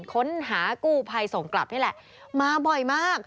ค้นหากู้ภัยส่งกลับนี่แหละมาบ่อยมาก